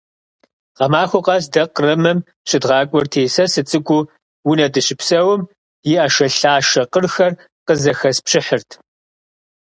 Гъэмахуэ къэс дэ Кърымым щыдгъакӏуэрти, сэ сыцӏыкӏуу, унэ дыщыпсэум и ӏэшэлъашэ къырхэр къызэхэспщыхьырт.